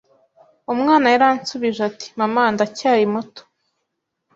Umwana yaransubije ati mama ndacyari muto